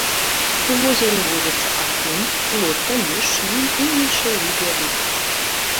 У возеры водзяцца акунь, плотка, лешч, лінь і іншыя віды рыб.